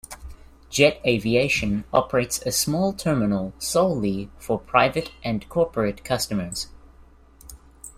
Jet Aviation operates a small terminal solely for private and corporate customers.